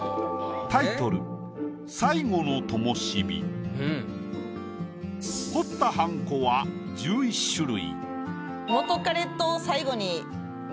タイトル彫ったはんこは１１種類。